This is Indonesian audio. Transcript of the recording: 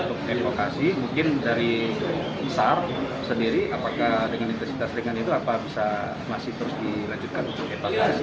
untuk evakuasi mungkin dari sar sendiri apakah dengan intensitas ringan itu apa bisa masih terus dilanjutkan untuk evakuasi